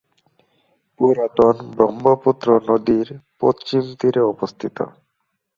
পুরাতন ব্রহ্মপুত্র নদীর পশ্চিম তীরে অবস্থিত।